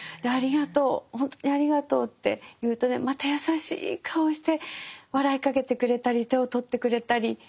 ありがとうほんとにありがとうって言うとねまた優しい顔をして笑いかけてくれたり手を取ってくれたり。